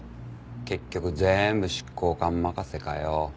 結局ぜーんぶ執行官任せかよ。